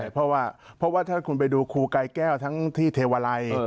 เพราะว่าถ้าคุณไปดูครูกายแก้วทั้งที่เทวาลัย